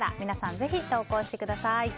ぜひ投稿してください。